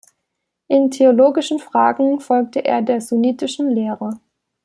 In theologischen Fragen folgte er der sunnitischen Lehre.